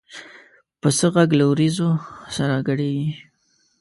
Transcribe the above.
پسه غږ له وریځو سره ګډېږي.